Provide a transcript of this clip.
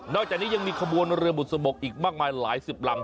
จากนี้ยังมีขบวนเรือบุษบกอีกมากมายหลายสิบรัง